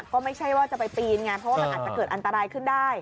ก็ไม่ใช่ว่าจะไปปีนไงเพราะว่ามันอาจจะเกิดอันตรายขึ้นได้